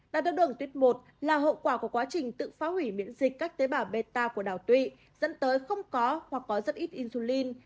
đai thác đường tuyết một là hậu quả của quá trình tự phá hủy miễn dịch các tế bào bêta của đảo tụy dẫn tới không có hoặc có rất ít insulin